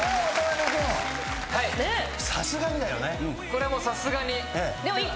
これもうさすがに。